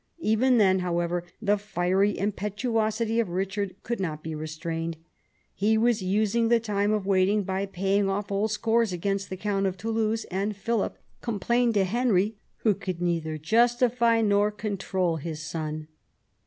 Even then, however, the fiery impetuosity of Eichard could not be restrained. He was using the time of waiting by paying off old scores against the count of Toulouse, and Philip complained to Henry, who could neither justify nor control his son.